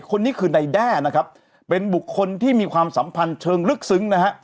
คนนี้คือนายแด้นะครับเป็นบุคคลที่มีความสัมพันธ์เชิงลึกซึ้งนะฮะ